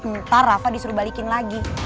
ntar rafa disuruh balikin lagi